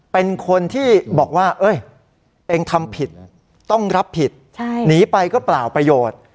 เป็นคนที่บอกว่าเองทำผิดต้องรับผิดหนีไปก็เปล่าประโยชน์